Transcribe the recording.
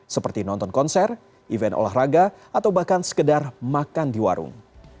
seperti nonton konser event olahraga atau bahkan sekedar makan di warung